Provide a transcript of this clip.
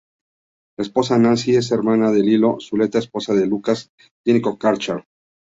Su esposa Nancy es hermana de "Lilo" Zuleta, esposa de Lucas Gnecco Cerchar.